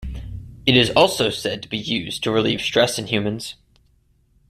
It is also said to be used to relieve stress in humans.